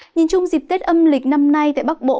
nhìn chung dịp tết âm lịch năm nay tại bắc bộ